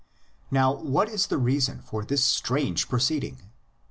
Now what is the reason for this strange proceed ing?